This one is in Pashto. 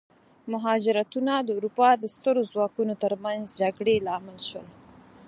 مهاجرتونه د اروپا د سترو ځواکونو ترمنځ جګړې لامل شول.